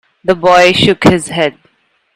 The boy shook his head.